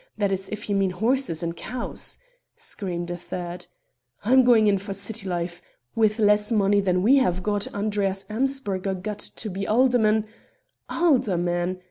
that is, if you mean horses and cows!" screamed a third. "I'm going in for city life. With less money than we have got, Andreas Amsberger got to be alderman " "Alderman!"